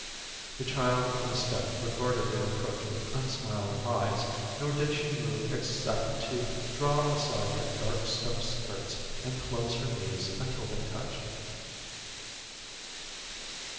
The child on the step regarded their approach with unsmiling eyes, nor did she move except to draw aside her dark stuff skirts and close her knees until they touched.